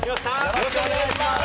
よろしくお願いします！